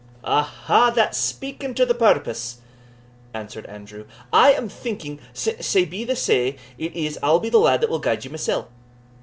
"Aha! that's speaking to the purpose," answered Andrew. "I am thinking, since sae be that sae it is, I'll be the lad that will guide you mysell."